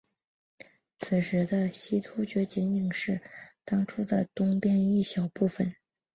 此时的西突厥仅仅是当初的东边一小部分。